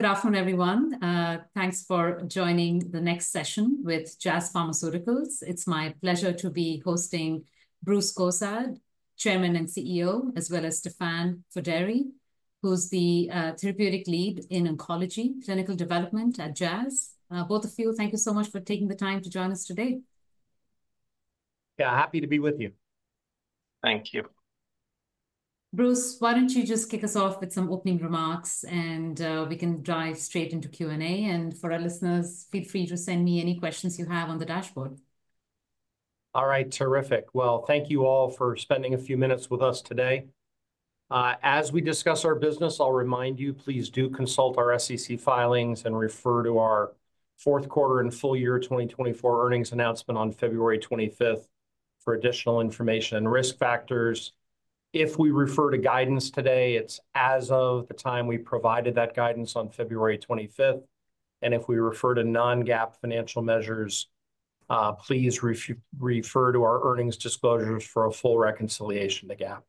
Good afternoon, everyone. Thanks for joining the next session with Jazz Pharmaceuticals. It's my pleasure to be hosting Bruce Cozadd, Chairman and CEO, as well as Stefan FederI, who's the Therapeutic Lead in Oncology Clinical Development at Jazz. Both of you, thank you so much for taking the time to join us today. Yeah, happy to be with you. Thank you. Bruce, why don’t you just kick us off with some opening remarks, and we can dive straight into Q&A. For our listeners, feel free to send me any questions you have on the dashboard. All right, terrific. Thank you all for spending a few minutes with us today. As we discuss our business, I'll remind you, please do consult our SEC filings and refer to our fourth quarter and full year 2024 earnings announcement on February 25th for additional information and risk factors. If we refer to guidance today, it's as of the time we provided that guidance on February 25th. If we refer to non-GAAP financial measures, please refer to our earnings disclosures for a full reconciliation to GAAP.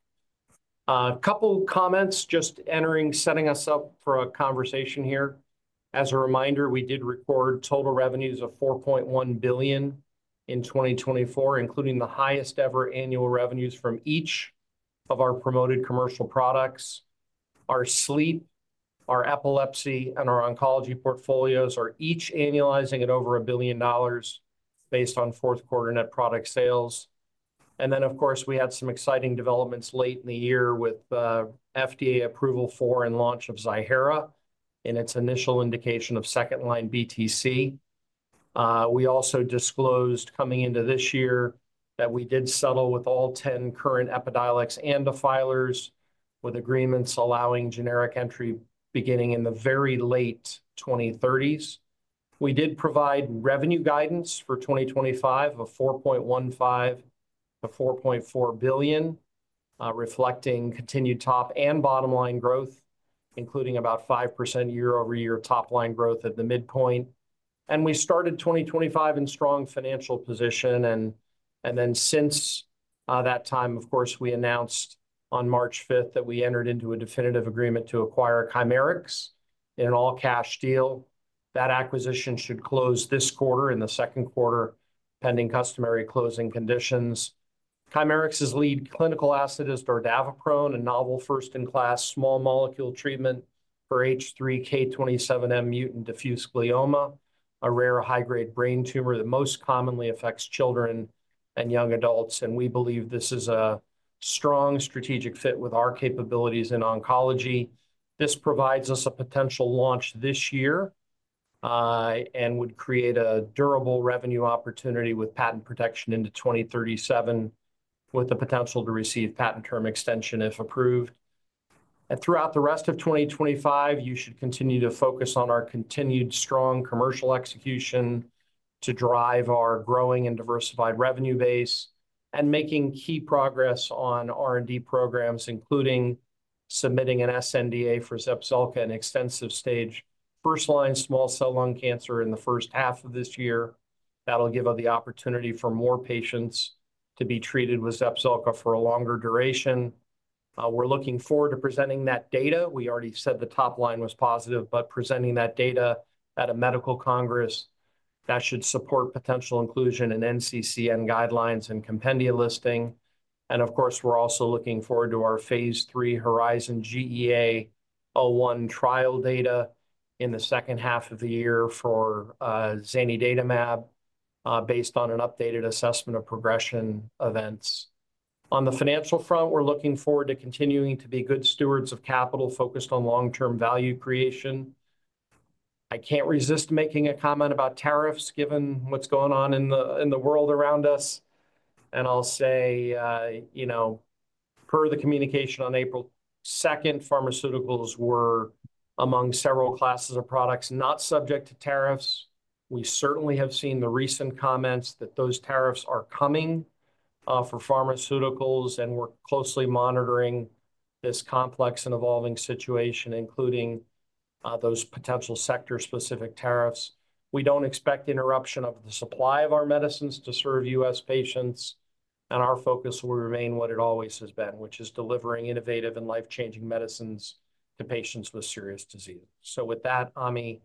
A couple of comments, just entering, to set us up for a conversation here. As a reminder, we did record total revenues of $4.1 billion in 2024, including the highest-ever annual revenues from each of our promoted commercial products. Our sleep, our epilepsy, and our oncology portfolios are each annualizing at over $1 billion based on fourth quarter net product sales. Of course, we had some exciting developments late in the year with FDA approval for and launch of Zanidatamab in its initial indication of second-line BTC. We also disclosed coming into this year that we did settle with all 10 current Epidiolex and Defitelio filers with agreements allowing generic entry beginning in the very late 2030s. We did provide revenue guidance for 2025 of $4.15 billion-$4.4 billion, reflecting continued top and bottom line growth, including about 5% year-over-year top line growth at the midpoint. We started 2025 in strong financial position. Since that time, of course, we announced on March 5 that we entered into a definitive agreement to acquire Chimerix in an all-cash deal. That acquisition should close this quarter and the second quarter pending customary closing conditions. Chimerix's is lead clinical asset dordaviprone, a novel first-in-class small molecule treatment for H3 K27M-mutant diffuse glioma, a rare high-grade brain tumor that most commonly affects children and young adults. We believe this is a strong strategic fit with our capabilities in oncology. This provides us a potential launch this year and would create a durable revenue opportunity with patent protection into 2037, with the potential to receive patent term extension if approved. Throughout the rest of 2025, you should continue to focus on our continued strong commercial execution to drive our growing and diversified revenue base and making key progress on R&D programs, including submitting an sNDA for Zepzelca, extensive stage first-line small cell lung cancer in the first half of this year. That will give us the opportunity for more patients to be treated with Zepzelca for a longer duration. We're looking forward to presenting that data. We already said the top line was positive, but presenting that data at a medical congress that should support potential inclusion in NCCN guidelines and compendia listing. Of course, we're also looking forward to our phase three Horizon GEA01 trial data in the second half of the year for zanidatamab based on an updated assessment of progression events. On the financial front, we're looking forward to continuing to be good stewards of capital focused on long-term value creation. I can't resist making a comment about tariffs given what's going on in the world around us. I'll say, you know, per the communication on April 2nd, pharmaceuticals were among several classes of products not subject to tariffs. We certainly have seen the recent comments that those tariffs are coming for pharmaceuticals, and we're closely monitoring this complex and evolving situation, including those potential sector-specific tariffs. We don't expect interruption of the supply of our medicines to serve U.S. patients, and our focus will remain what it always has been, which is delivering innovative and life-changing medicines to patients with serious diseases. With that, Ami,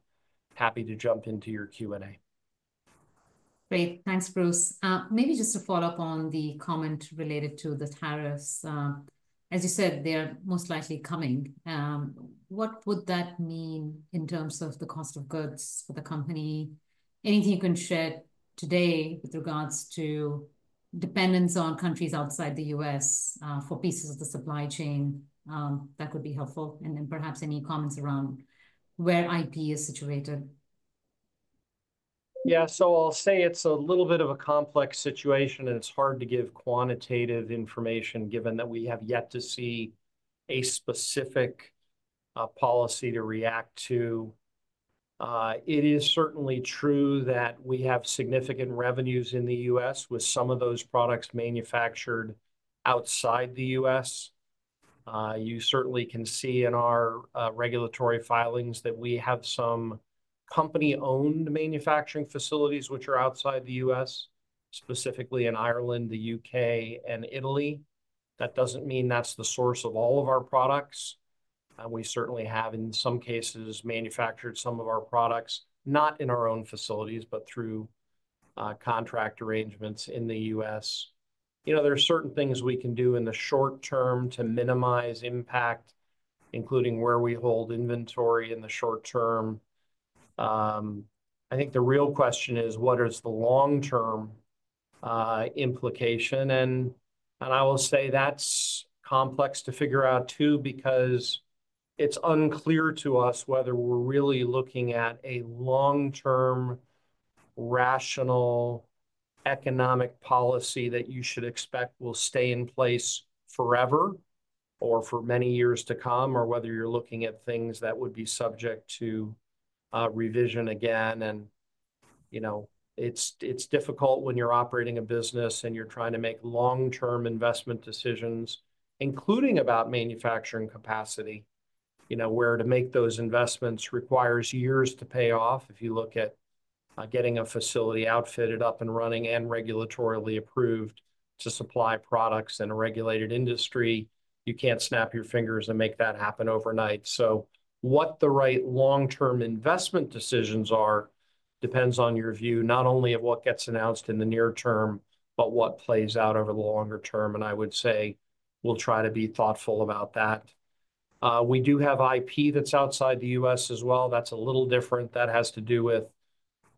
happy to jump into your Q&A. Great. Thanks, Bruce. Maybe just to follow up on the comment related to the tariffs. As you said, they are most likely coming. What would that mean in terms of the cost of goods for the company? Anything you can share today with regards to dependence on countries outside the U.S. for pieces of the supply chain that could be helpful? Perhaps any comments around where IP is situated? Yeah, so I'll say it's a little bit of a complex situation, and it's hard to give quantitative information given that we have yet to see a specific policy to react to. It is certainly true that we have significant revenues in the U.S. with some of those products manufactured outside the U.S. You certainly can see in our regulatory filings that we have some company-owned manufacturing facilities which are outside the U.S., specifically in Ireland, the U.K., and Italy. That doesn't mean that's the source of all of our products. We certainly have, in some cases, manufactured some of our products not in our own facilities, but through contract arrangements in the U.S. You know, there are certain things we can do in the short term to minimize impact, including where we hold inventory in the short term. I think the real question is, what is the long-term implication? I will say that's complex to figure out too, because it's unclear to us whether we're really looking at a long-term rational economic policy that you should expect will stay in place forever or for many years to come, or whether you're looking at things that would be subject to revision again. You know, it's difficult when you're operating a business and you're trying to make long-term investment decisions, including about manufacturing capacity, you know, where to make those investments requires years to pay off. If you look at getting a facility outfitted, up and running, and regulatorily approved to supply products in a regulated industry, you can't snap your fingers and make that happen overnight. What the right long-term investment decisions are depends on your view, not only of what gets announced in the near term, but what plays out over the longer term. I would say we'll try to be thoughtful about that. We do have IP that's outside the U.S. as well. That's a little different. That has to do with,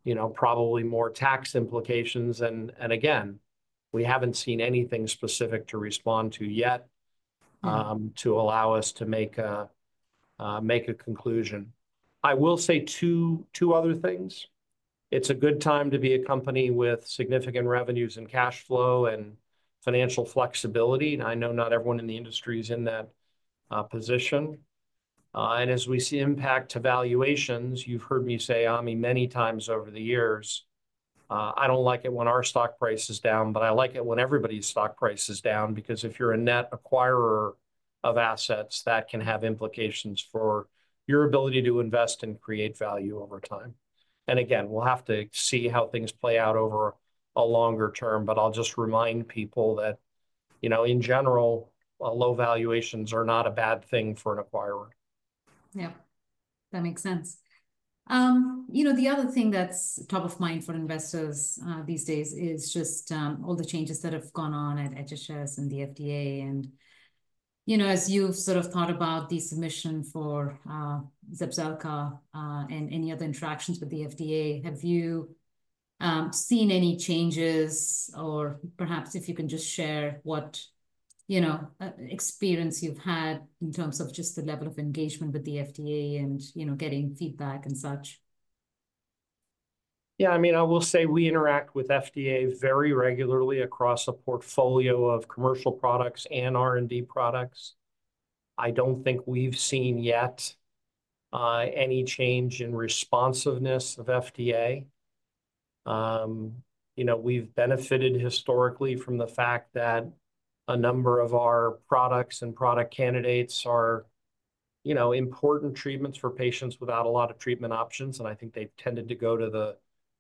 you know, probably more tax implications. Again, we haven't seen anything specific to respond to yet to allow us to make a conclusion. I will say two other things. It's a good time to be a company with significant revenues and cash flow and financial flexibility. I know not everyone in the industry is in that position. As we see impact to valuations, you've heard me say, Ami, many times over the years, I don't like it when our stock price is down, but I like it when everybody's stock price is down, because if you're a net acquirer of assets, that can have implications for your ability to invest and create value over time. Again, we'll have to see how things play out over a longer term, but I'll just remind people that, you know, in general, low valuations are not a bad thing for an acquirer. Yeah, that makes sense. You know, the other thing that's top of mind for investors these days is just all the changes that have gone on at HHS and the FDA. You know, as you've sort of thought about the submission for Zepzelca and any other interactions with the FDA, have you seen any changes? Perhaps if you can just share what, you know, experience you've had in terms of just the level of engagement with the FDA and, you know, getting feedback and such. Yeah, I mean, I will say we interact with FDA very regularly across a portfolio of commercial products and R&D products. I do not think we have seen yet any change in responsiveness of FDA. You know, we have benefited historically from the fact that a number of our products and product candidates are, you know, important treatments for patients without a lot of treatment options. I think they have tended to go to the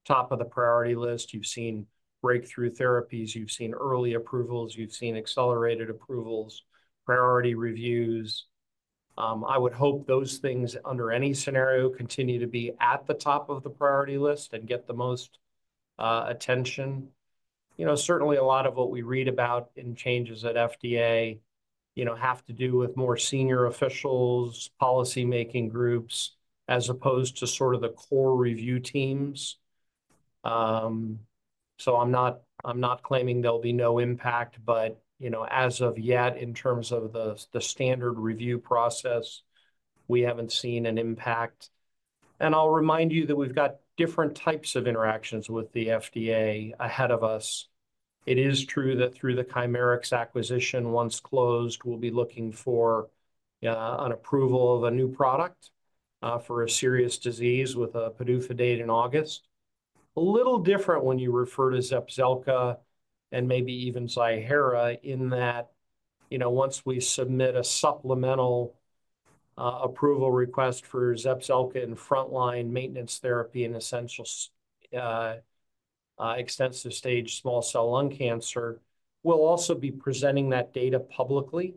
top of the priority list. You have seen breakthrough therapies, you have seen early approvals, you have seen accelerated approvals, priority reviews. I would hope those things, under any scenario, continue to be at the top of the priority list and get the most attention. You know, certainly a lot of what we read about in changes at FDA, you know, have to do with more senior officials, policymaking groups, as opposed to sort of the core review teams. I'm not claiming there'll be no impact, but, you know, as of yet, in terms of the standard review process, we haven't seen an impact. I'll remind you that we've got different types of interactions with the FDA ahead of us. It is true that through the Chimerix acquisition, once closed, we'll be looking for an approval of a new product for a serious disease with a PDUFA date in August. A little different when you refer to Zepzelca and maybe even Xywav in that, you know, once we submit a supplemental approval request for Zepzelca in frontline maintenance therapy and essential extensive stage small cell lung cancer, we'll also be presenting that data publicly.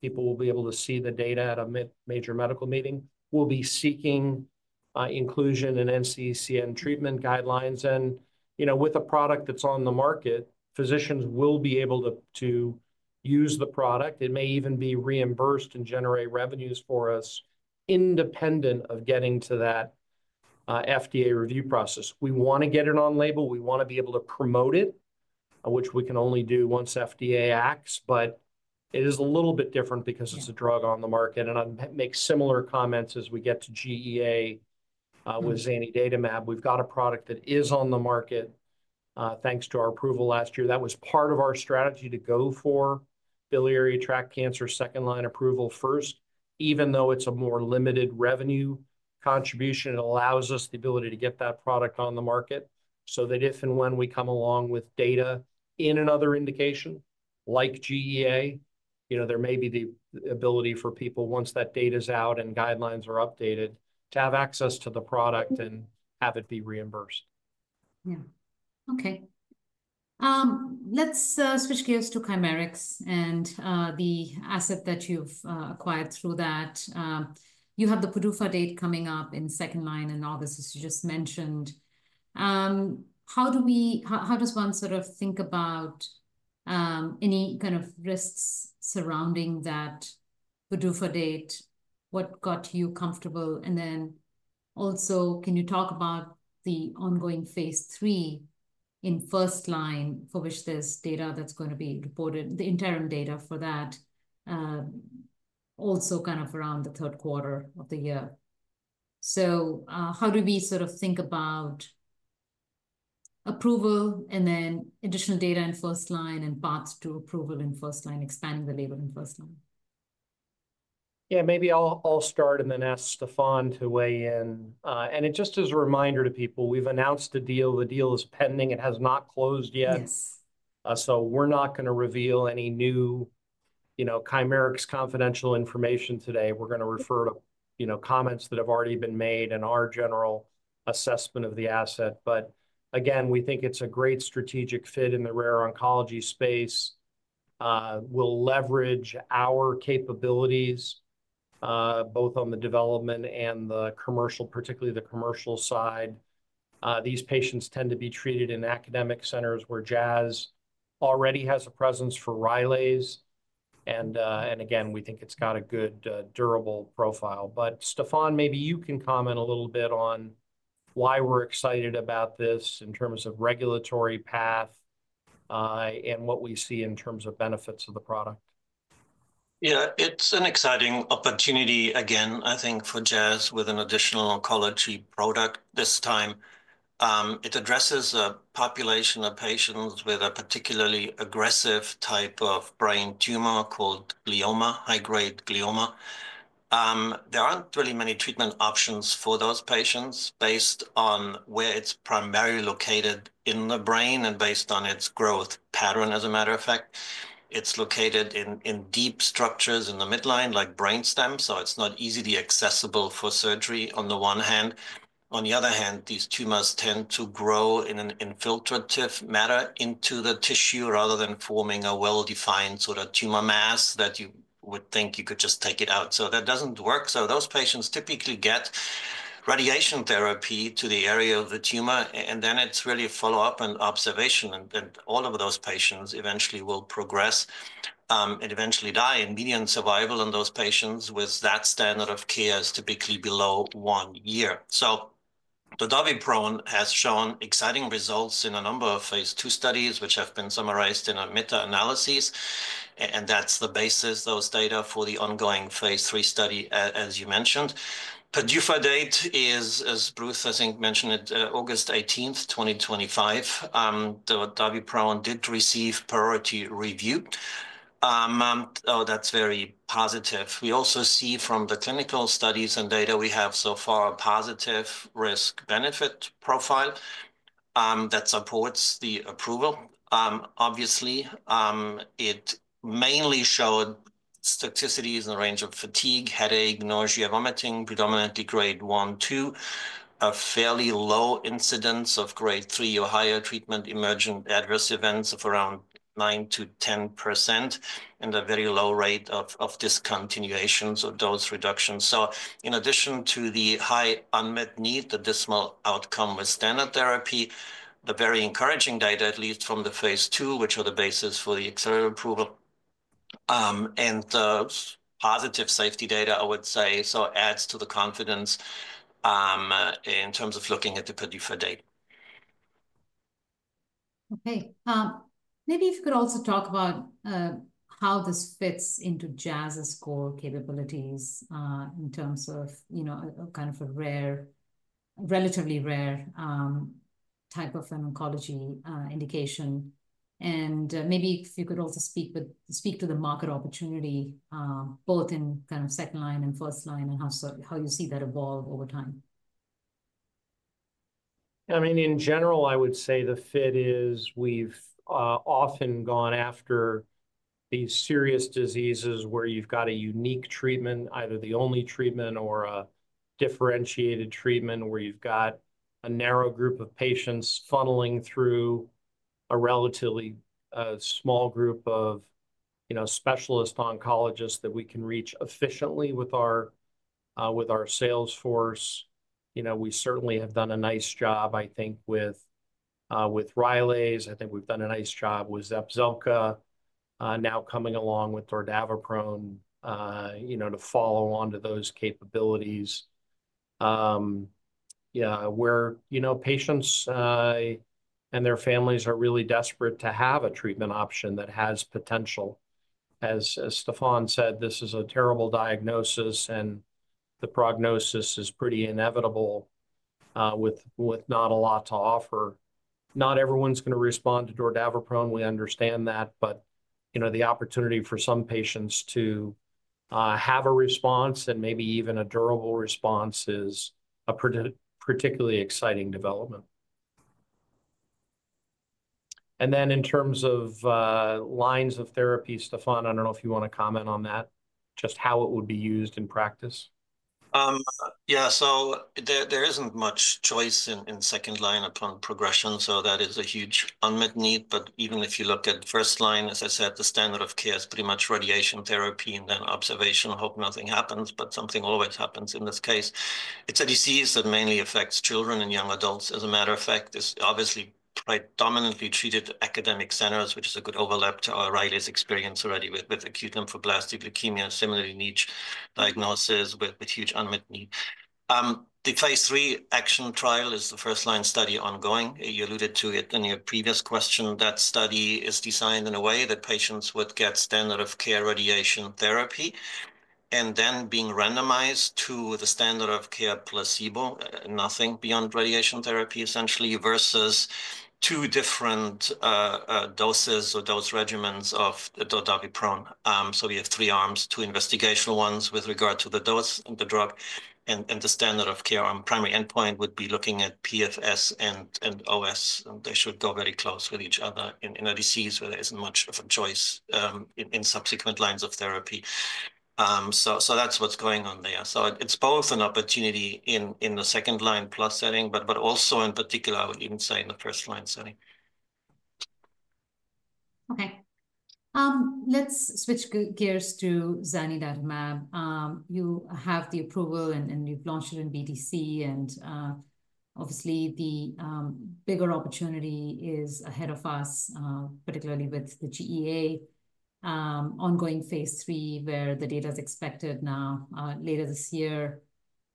People will be able to see the data at a major medical meeting. We'll be seeking inclusion in NCCN treatment guidelines. You know, with a product that's on the market, physicians will be able to use the product. It may even be reimbursed and generate revenues for us independent of getting to that FDA review process. We want to get it on label. We want to be able to promote it, which we can only do once FDA acts. It is a little bit different because it's a drug on the market. I'll make similar comments as we get to GEA with zanidatamab. We've got a product that is on the market thanks to our approval last year. That was part of our strategy to go for biliary tract cancer second-line approval first, even though it's a more limited revenue contribution. It allows us the ability to get that product on the market so that if and when we come along with data in another indication like GEA, you know, there may be the ability for people, once that data's out and guidelines are updated, to have access to the product and have it be reimbursed. Yeah. Okay. Let's switch gears to Chimerix and the asset that you've acquired through that. You have the PDUFA date coming up in second line in August, as you just mentioned. How do we—how does one sort of think about any kind of risks surrounding that PDUFA date? What got you comfortable? Also, can you talk about the ongoing phase three in first line for which there's data that's going to be reported, the interim data for that, also kind of around the third quarter of the year? How do we sort of think about approval and then additional data in first line and paths to approval in first line, expanding the label in first line? Yeah, maybe I'll start and then ask Stefan to weigh in. It just is a reminder to people, we've announced a deal. The deal is pending. It has not closed yet. We're not going to reveal any new, you know, Chimerix confidential information today. We're going to refer to, you know, comments that have already been made and our general assessment of the asset. Again, we think it's a great strategic fit in the rare oncology space. We'll leverage our capabilities both on the development and the commercial, particularly the commercial side. These patients tend to be treated in academic centers where Jazz already has a presence for Rylaze. Again, we think it's got a good durable profile. Stefan, maybe you can comment a little bit on why we're excited about this in terms of regulatory path and what we see in terms of benefits of the product. Yeah, it's an exciting opportunity again, I think, for Jazz with an additional oncology product this time. It addresses a population of patients with a particularly aggressive type of brain tumor called glioma, high-grade glioma. There aren't really many treatment options for those patients based on where it's primarily located in the brain and based on its growth pattern. As a matter of fact, it's located in deep structures in the midline, like brainstems. It's not easily accessible for surgery on the one hand. On the other hand, these tumors tend to grow in an infiltrative manner into the tissue rather than forming a well-defined sort of tumor mass that you would think you could just take it out. That doesn't work. Those patients typically get radiation therapy to the area of the tumor, and then it's really a follow-up and observation. All of those patients eventually will progress and eventually die. Median survival in those patients with that standard of care is typically below one year. Dordaviprone has shown exciting results in a number of phase two studies, which have been summarized in our meta-analyses. That is the basis, those data, for the ongoing phase three study, as you mentioned. PDUFA date is, as Bruce, I think, mentioned it, August 18, 2025. Dordaviprone did receive priority review. Oh, that's very positive. We also see from the clinical studies and data we have so far a positive risk-benefit profile that supports the approval. Obviously, it mainly showed statistics in the range of fatigue, headache, nausea, vomiting, predominantly grade one, two, a fairly low incidence of grade three or higher treatment emergent adverse events of around 9%-10%, and a very low rate of discontinuations of dose reduction. In addition to the high unmet need, the dismal outcome with standard therapy, the very encouraging data, at least from the phase two, which are the basis for the accelerated approval and positive safety data, I would say, adds to the confidence in terms of looking at the PDUFA date. Okay. Maybe if you could also talk about how this fits into Jazz's core capabilities in terms of, you know, kind of a rare, relatively rare type of an oncology indication. Maybe if you could also speak to the market opportunity, both in kind of second line and first line, and how you see that evolve over time. I mean, in general, I would say the fit is we've often gone after these serious diseases where you've got a unique treatment, either the only treatment or a differentiated treatment, where you've got a narrow group of patients funneling through a relatively small group of, you know, specialist oncologists that we can reach efficiently with our sales force. You know, we certainly have done a nice job, I think, with Rylaze. I think we've done a nice job with Zepzelca, now coming along with dordaviprone, you know, to follow on to those capabilities. Yeah, where, you know, patients and their families are really desperate to have a treatment option that has potential. As Stefan said, this is a terrible diagnosis, and the prognosis is pretty inevitable with not a lot to offer. Not everyone's going to respond to dordaviprone. We understand that. You know, the opportunity for some patients to have a response and maybe even a durable response is a particularly exciting development. And then in terms of lines of therapy, Stefan, I don't know if you want to comment on that, just how it would be used in practice. Yeah, so there isn't much choice in second line upon progression. That is a huge unmet need. Even if you look at first line, as I said, the standard of care is pretty much radiation therapy and then observation, hope nothing happens. Something always happens in this case. It's a disease that mainly affects children and young adults. As a matter of fact, it's obviously predominantly treated at academic centers, which is a good overlap to our Rylaze experience already with acute lymphoblastic leukemia, similarly niche diagnosis with huge unmet need. The phase three action trial is the first line study ongoing. You alluded to it in your previous question. That study is designed in a way that patients would get standard of care radiation therapy and then being randomized to the standard of care placebo, nothing beyond radiation therapy essentially, versus two different doses or dose regimens of dordaviprone. We have three arms, two investigational ones with regard to the dose and the drug. The standard of care on primary endpoint would be looking at PFS and OS. They should go very close with each other in a disease where there isn't much of a choice in subsequent lines of therapy. That's what's going on there. It's both an opportunity in the second line plus setting, but also in particular, I would even say in the first line setting. Okay. Let's switch gears to zanidatamab. You have the approval and you've launched it in BTC. Obviously, the bigger opportunity is ahead of us, particularly with the GEA ongoing phase three, where the data is expected now later this year.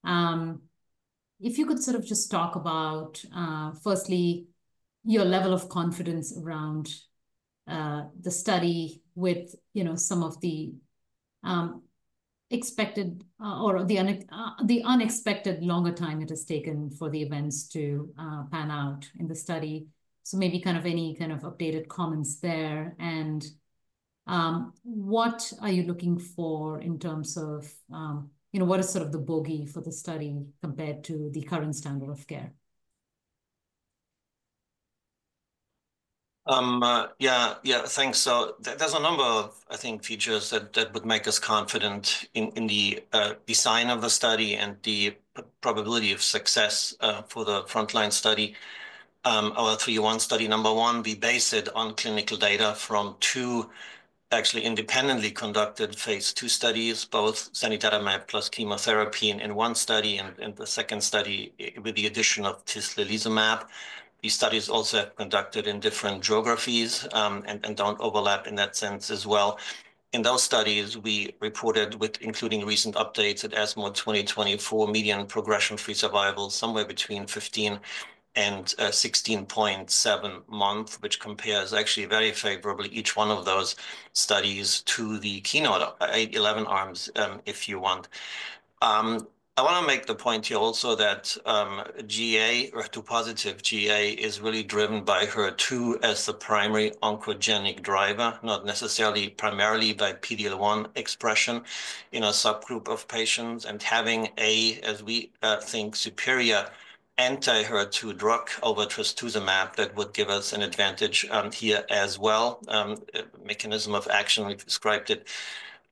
If you could sort of just talk about, firstly, your level of confidence around the study with, you know, some of the expected or the unexpected longer time it has taken for the events to pan out in the study. Maybe kind of any kind of updated comments there. What are you looking for in terms of, you know, what is sort of the bogey for the study compared to the current standard of care? Yeah, yeah, thanks. There's a number of, I think, features that would make us confident in the design of the study and the probability of success for the frontline study. Our three-in-one study, number one, we base it on clinical data from two actually independently conducted phase two studies, both zanidatamab plus chemotherapy in one study and the second study with the addition of atezolizumab. These studies also have been conducted in different geographies and do not overlap in that sense as well. In those studies, we reported, including recent updates at ESMO 2024, median progression-free survival somewhere between 15-16.7 months, which compares actually very favorably, each one of those studies, to the KEYNOTE-811 arms if you want. I want to make the point here also that GEA, HER2 positive GEA is really driven by HER2 as the primary oncogenic driver, not necessarily primarily by PD-L1 expression in a subgroup of patients. Having a, as we think, superior anti-HER2 drug over trastuzumab, that would give us an advantage here as well. Mechanism of action, we've described it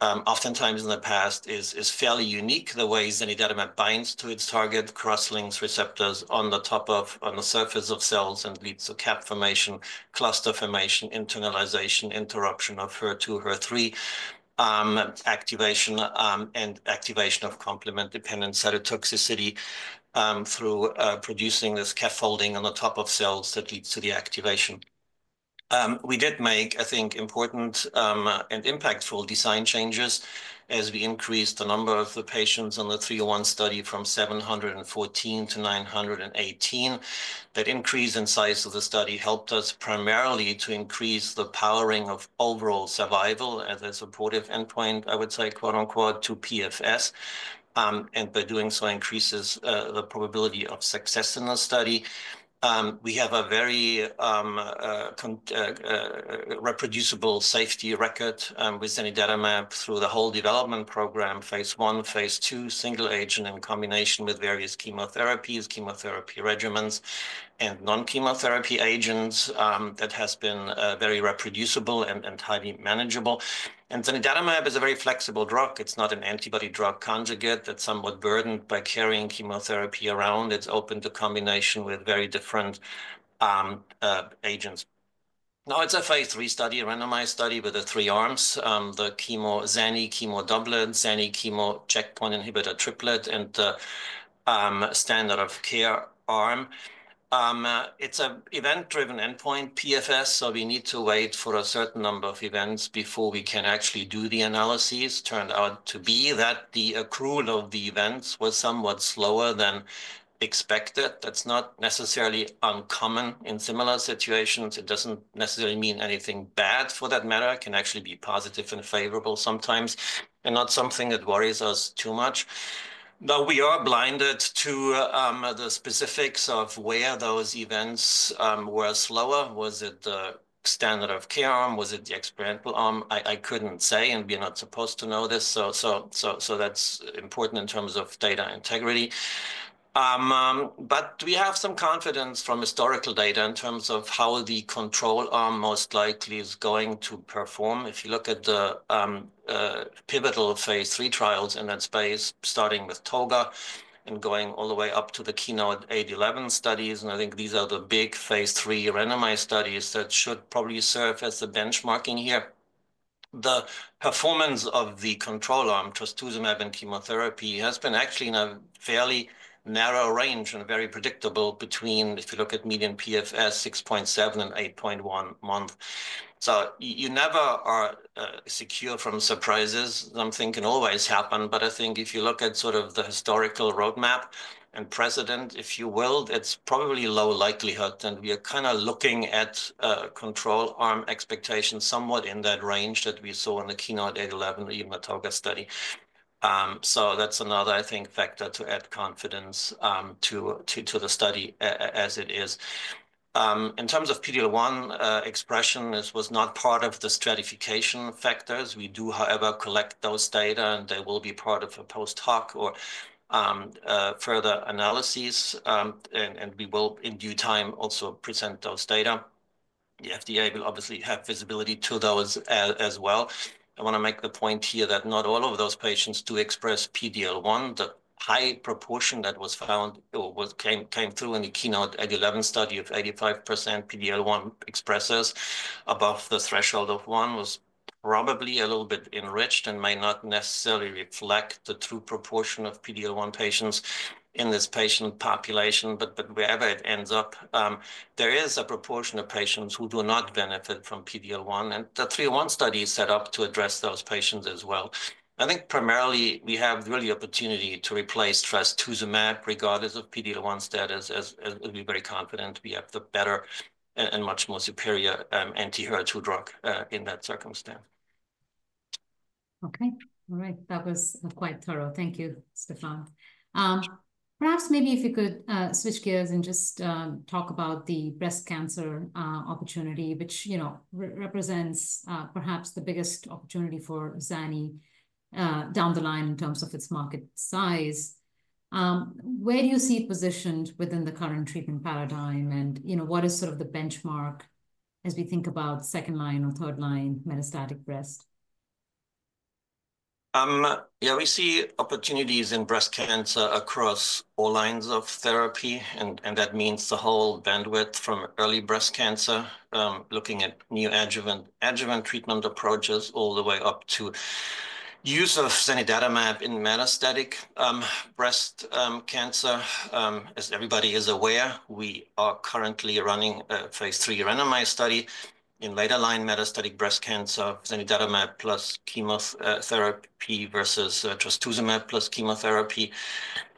oftentimes in the past, is fairly unique. The way zanidatamab binds to its target cross-links receptors on the top of, on the surface of cells and leads to cap formation, cluster formation, internalization, interruption of HER2, HER3 activation, and activation of complement dependent cytotoxicity through producing this cap folding on the top of cells that leads to the activation. We did make, I think, important and impactful design changes as we increased the number of the patients in the three-in-one study from 714 to 918. That increase in size of the study helped us primarily to increase the powering of overall survival as a supportive endpoint, I would say, quote unquote, to PFS. By doing so, increases the probability of success in the study. We have a very reproducible safety record with zanidatamab through the whole development program, phase one, phase two, single agent in combination with various chemotherapies, chemotherapy regimens, and non-chemotherapy agents. That has been very reproducible and highly manageable. Zanidatamab is a very flexible drug. It's not an antibody drug conjugate. That's somewhat burdened by carrying chemotherapy around. It's open to combination with very different agents. Now, it's a phase three study, a randomized study with the three arms, the zani chemo doublet, zani chemo checkpoint inhibitor triplet, and the standard of care arm. It's an event-driven endpoint, PFS. We need to wait for a certain number of events before we can actually do the analyses. It turned out to be that the accrual of the events was somewhat slower than expected. That is not necessarily uncommon in similar situations. It does not necessarily mean anything bad for that matter. It can actually be positive and favorable sometimes, and not something that worries us too much. Now, we are blinded to the specifics of where those events were slower. Was it the standard of care arm? Was it the experimental arm? I could not say, and we are not supposed to know this. That is important in terms of data integrity. We have some confidence from historical data in terms of how the control arm most likely is going to perform. If you look at the pivotal phase three trials in that space, starting with TOGA and going all the way up to the KEYNOTE-811 studies. I think these are the big phase three randomized studies that should probably serve as the benchmarking here. The performance of the control arm, Trastuzumab and chemotherapy, has been actually in a fairly narrow range and very predictable between, if you look at median PFS, 6.7-8.1 months. You never are secure from surprises. Something can always happen. I think if you look at sort of the historical roadmap and precedent, if you will, it is probably low likelihood. We are kind of looking at control arm expectations somewhat in that range that we saw in the KEYNOTE-811, even the TOGA study. That is another, I think, factor to add confidence to the study as it is. In terms of PDL1 expression, this was not part of the stratification factors. We do, however, collect those data, and they will be part of a post-hoc or further analyses. We will, in due time, also present those data. The FDA will obviously have visibility to those as well. I want to make the point here that not all of those patients do express PDL1. The high proportion that was found came through in the keynote 811 study of 85% PDL1 expressors above the threshold of one was probably a little bit enriched and may not necessarily reflect the true proportion of PDL1 patients in this patient population. Wherever it ends up, there is a proportion of patients who do not benefit from PDL1. The three-in-one study is set up to address those patients as well. I think primarily we have really opportunity to replace Trastuzumab regardless of PDL1 status. As we're very confident, we have the better and much more superior anti-HER2 drug in that circumstance. Okay. All right. That was quite thorough. Thank you, Stefan. Perhaps maybe if you could switch gears and just talk about the breast cancer opportunity, which, you know, represents perhaps the biggest opportunity for Zani down the line in terms of its market size. Where do you see it positioned within the current treatment paradigm? You know, what is sort of the benchmark as we think about second line or third line metastatic breast? Yeah, we see opportunities in breast cancer across all lines of therapy. That means the whole bandwidth from early breast cancer, looking at new adjuvant treatment approaches all the way up to use of zanidatamab in metastatic breast cancer. As everybody is aware, we are currently running a phase three randomized study in later line metastatic breast cancer, zanidatamab plus chemotherapy versus trastuzumab plus chemotherapy.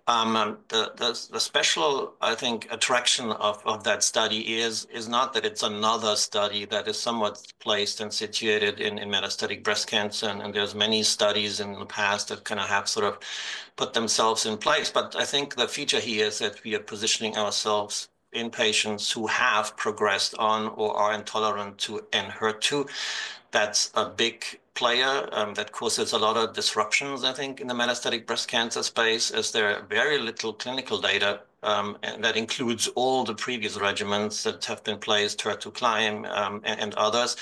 The special, I think, attraction of that study is not that it's another study that is somewhat placed and situated in metastatic breast cancer. There are many studies in the past that kind of have sort of put themselves in place. I think the feature here is that we are positioning ourselves in patients who have progressed on or are intolerant to Enhertu. That's a big player that causes a lot of disruptions, I think, in the metastatic breast cancer space, as there are very little clinical data that includes all the previous regimens that have been placed, HER2, KLYM, and others.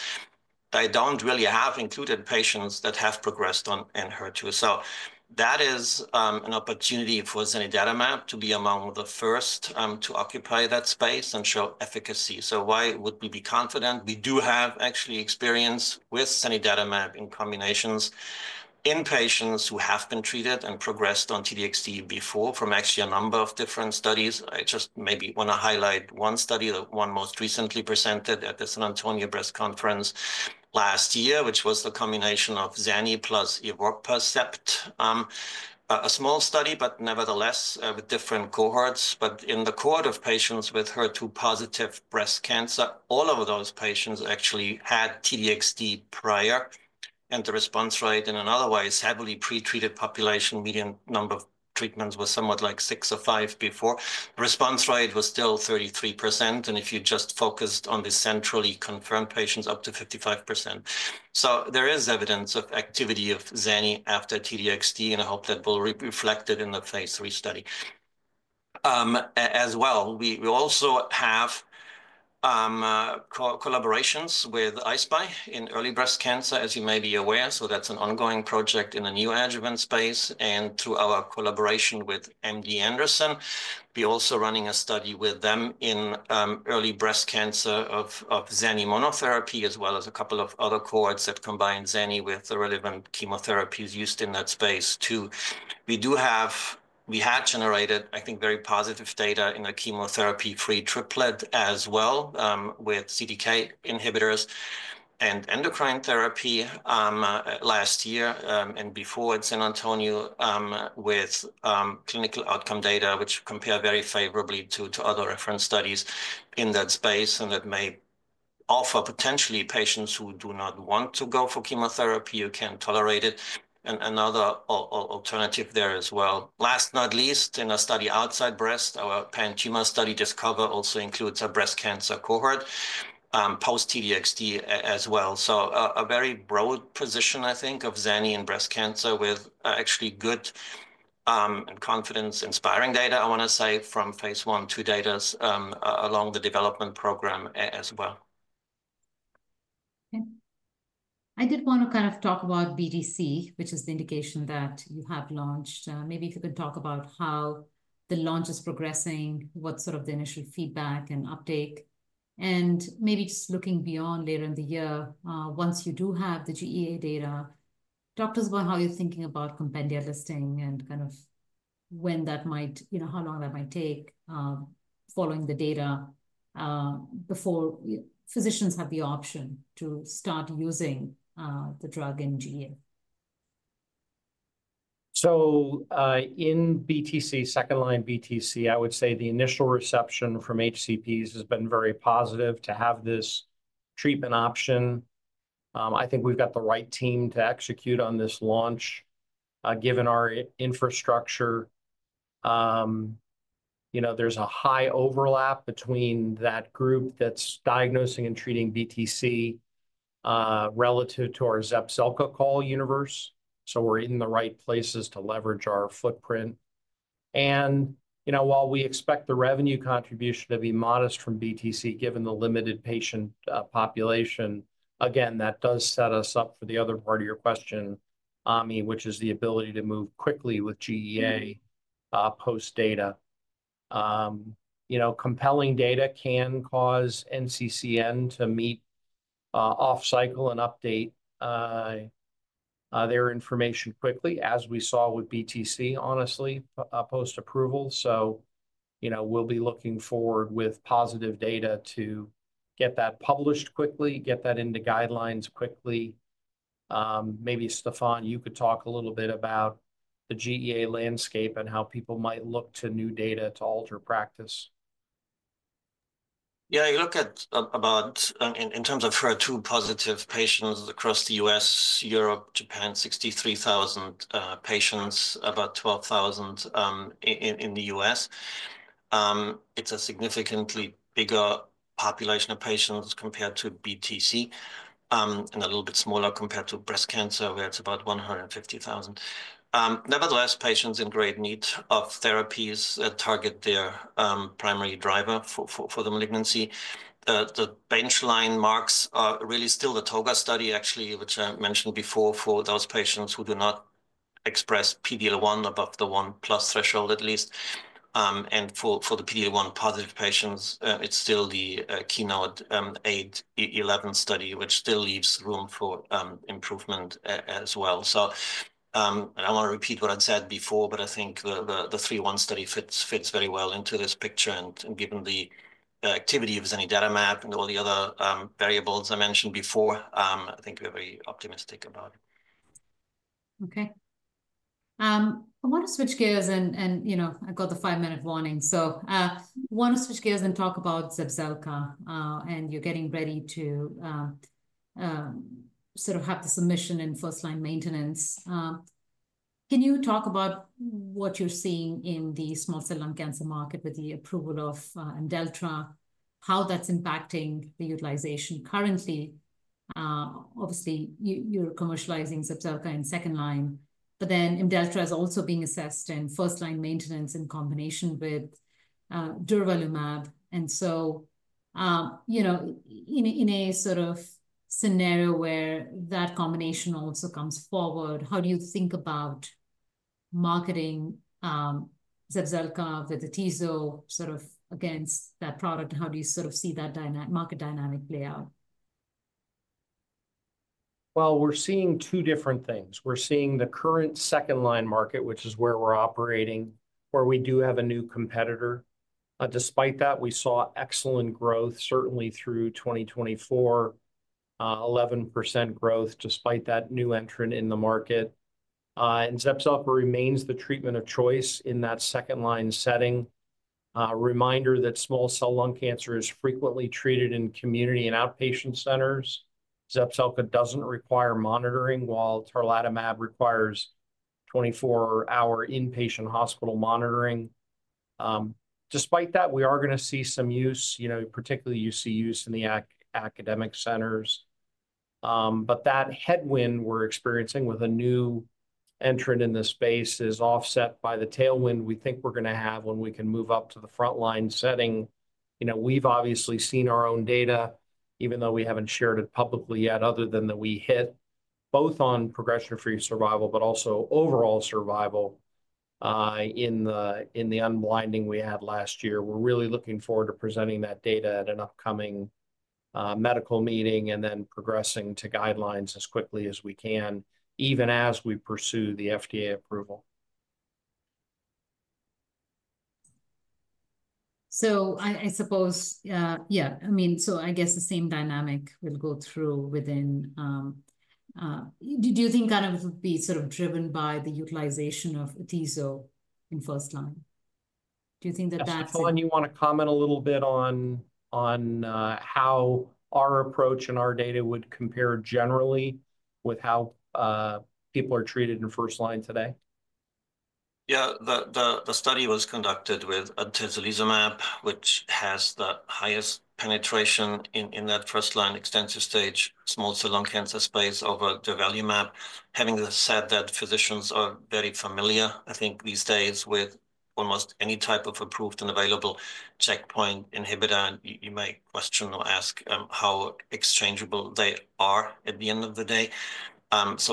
I don't really have included patients that have progressed on Enhertu. That is an opportunity for zanidatamab to be among the first to occupy that space and show efficacy. Why would we be confident? We do have actually experience with zanidatamab in combinations in patients who have been treated and progressed on TDXd before from actually a number of different studies. I just maybe want to highlight one study, the one most recently presented at the San Antonio Breast Conference last year, which was the combination of zani plus Ivorpercept, a small study, but nevertheless with different cohorts. In the cohort of patients with HER2 positive breast cancer, all of those patients actually had TDXT prior. The response rate in an otherwise heavily pretreated population, median number of treatments was something like six or five before. The response rate was still 33%. If you just focused on the centrally confirmed patients, up to 55%. There is evidence of activity of Zani after TDXT, and I hope that will be reflected in the phase three study as well. We also have collaborations with ISPY in early breast cancer, as you may be aware. That is an ongoing project in the neoadjuvant space. Through our collaboration with MD Anderson, we are also running a study with them in early breast cancer of Zani monotherapy, as well as a couple of other cohorts that combine Zani with the relevant chemotherapies used in that space too. We do have, we had generated, I think, very positive data in a chemotherapy-free triplet as well with CDK inhibitors and endocrine therapy last year and before at San Antonio with clinical outcome data, which compare very favorably to other reference studies in that space. That may offer potentially patients who do not want to go for chemotherapy or cannot tolerate it another alternative there as well. Last but not least, in a study outside breast, our pan-cumulative study Discover also includes a breast cancer cohort post-TDXT as well. A very broad position, I think, of Zani in breast cancer with actually good confidence-inspiring data, I want to say, from phase one to data along the development program as well. Okay. I did want to kind of talk about BTC, which is the indication that you have launched. Maybe if you could talk about how the launch is progressing, what sort of the initial feedback and uptake. Maybe just looking beyond later in the year, once you do have the GEA data, talk to us about how you're thinking about compendia listing and kind of when that might, you know, how long that might take following the data before physicians have the option to start using the drug in GEA. In BTC, second line BTC, I would say the initial reception from HCPs has been very positive to have this treatment option. I think we've got the right team to execute on this launch. Given our infrastructure, you know, there's a high overlap between that group that's diagnosing and treating BTC relative to our Zepzelca call universe. We're in the right places to leverage our footprint. You know, while we expect the revenue contribution to be modest from BTC, given the limited patient population, again, that does set us up for the other part of your question, Ami, which is the ability to move quickly with GEA post-data. You know, compelling data can cause NCCN to meet off-cycle and update their information quickly, as we saw with BTC, honestly, post-approval. You know, we'll be looking forward with positive data to get that published quickly, get that into guidelines quickly. Maybe Stefan, you could talk a little bit about the GEA landscape and how people might look to new data to alter practice. Yeah, you look at about in terms of HER2 positive patients across the U.S., Europe, Japan, 63,000 patients, about 12,000 in the U.S. It's a significantly bigger population of patients compared to BTC and a little bit smaller compared to breast cancer, where it's about 150,000. Nevertheless, patients in great need of therapies that target their primary driver for the malignancy. The benchline marks are really still the TOGA study, actually, which I mentioned before for those patients who do not express PDL1 above the one plus threshold, at least. For the PDL1 positive patients, it's still the keynote 811 study, which still leaves room for improvement as well. I want to repeat what I'd said before, but I think the three-in-one study fits very well into this picture. Given the activity of zanidatamab and all the other variables I mentioned before, I think we're very optimistic about it. Okay. I want to switch gears and, you know, I've got the five-minute warning. I want to switch gears and talk about Zepzelca and you're getting ready to sort of have the submission in first-line maintenance. Can you talk about what you're seeing in the small cell lung cancer market with the approval of Imdelltra, how that's impacting the utilization currently? Obviously, you're commercializing Zepzelca in second line, but then Imdelltra is also being assessed in first-line maintenance in combination with Durvalumab. You know, in a sort of scenario where that combination also comes forward, how do you think about marketing Zepzelca with the TZO sort of against that product? How do you sort of see that market dynamic play out? We're seeing two different things. We're seeing the current second-line market, which is where we're operating, where we do have a new competitor. Despite that, we saw excellent growth, certainly through 2024, 11% growth despite that new entrant in the market. And Zepzelca remains the treatment of choice in that second-line setting. Reminder that small cell lung cancer is frequently treated in community and outpatient centers. Zepzelca doesn't require monitoring, while tarlatamab requires 24-hour inpatient hospital monitoring. Despite that, we are going to see some use, you know, particularly you see use in the academic centers. That headwind we're experiencing with a new entrant in this space is offset by the tailwind we think we're going to have when we can move up to the front-line setting. You know, we've obviously seen our own data, even though we haven't shared it publicly yet, other than that we hit both on progression-free survival, but also overall survival in the unblinding we had last year. We're really looking forward to presenting that data at an upcoming medical meeting and then progressing to guidelines as quickly as we can, even as we pursue the FDA approval. I suppose, yeah, I mean, I guess the same dynamic will go through within. Do you think it would be sort of driven by the utilization of TZO in first line? Do you think that that's. Stefan, you want to comment a little bit on how our approach and our data would compare generally with how people are treated in first line today? Yeah, the study was conducted with Atezolizumab, which has the highest penetration in that first-line extensive stage small cell lung cancer space over Durvalumab. Having said that, physicians are very familiar, I think, these days with almost any type of approved and available checkpoint inhibitor. You may question or ask how exchangeable they are at the end of the day.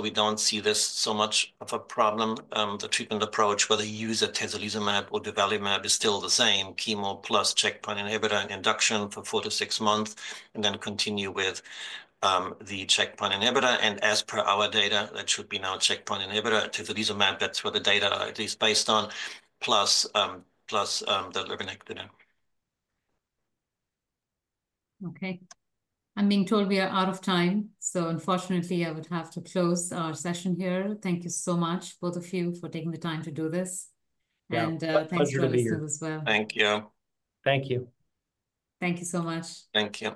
We do not see this so much of a problem. The treatment approach, whether you use Atezolizumab or Durvalumab, is still the same: chemo plus checkpoint inhibitor and induction for four to six months, and then continue with the checkpoint inhibitor. As per our data, that should be now checkpoint inhibitor, Atezolizumab. That is where the data is based on, plus the Zepzelca. Okay. I'm being told we are out of time. Unfortunately, I would have to close our session here. Thank you so much, both of you, for taking the time to do this. Thanks to the doctors as well. Thank you. Thank you. Thank you so much. Thank you.